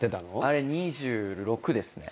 あれ２６ですね。